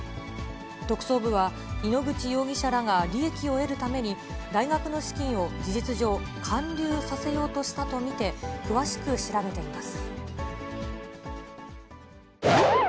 特捜部は、井ノ口容疑者らが利益を得るために、大学の資金を事実上、還流させようとしたと見て、詳しく調べています。